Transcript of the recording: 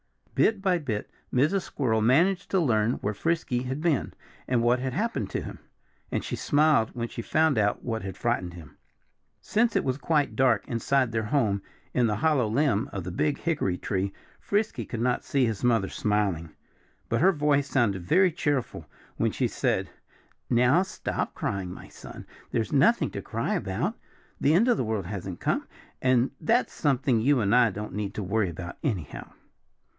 Bit by bit Mrs. Squirrel managed to learn where Frisky had been and what had happened to him. And she smiled when she found out what had frightened him. Since it was quite dark inside their home in the hollow limb of the big hickory tree, Frisky could not see his mother smiling. But her voice sounded very cheerful when she said "Now stop crying, my son. There's nothing to cry about. The end of the world hasn't come. And that's something you and I don't need to worry about, anyhow."